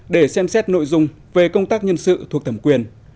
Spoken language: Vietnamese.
để xem xét nội dung về công tác nhân sự thuộc thẩm quyền